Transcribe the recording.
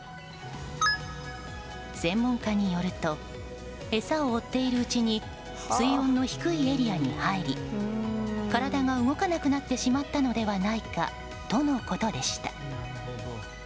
専門家によると餌を追っているうちに水温の低いエリアに入り体が動かなくなってしまったのではないかとのことでした。